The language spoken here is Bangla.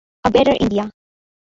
A better India.